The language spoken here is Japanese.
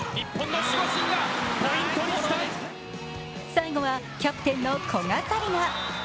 最後はキャプテンの古賀紗理那。